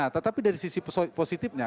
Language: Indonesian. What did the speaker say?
tetapi dari sisi positifnya